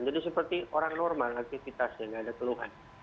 jadi seperti orang normal aktivitasnya tidak ada penuhan